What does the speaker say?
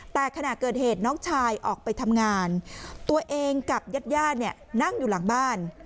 แต่ขณะเกิดเหตุน้องชายออกไปทำงานตัวเองกับญาติญาติเนี่ยนั่งอยู่หลังบ้าน